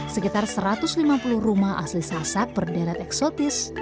sekitar satu ratus lima puluh rumah asli sasak berderet eksotis